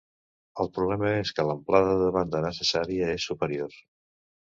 El problema és que l’amplada de banda necessària és superior.